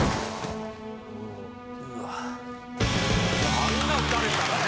あんな撃たれたらね。